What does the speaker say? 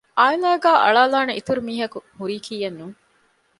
އައިލާގައި އަޅާލާނެ އިތުރު މީހަކު ހުރިކީއެއްނޫން